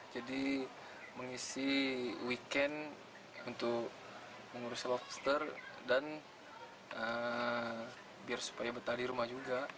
jadi mengisi weekend untuk mengurus lobster dan biar supaya betah di rumah juga